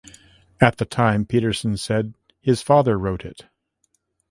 At the time, Peterson said "his father wrote it".